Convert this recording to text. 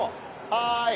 はい。